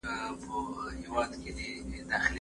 اقتصاد پوهنځۍ له مشورې پرته نه اعلانیږي.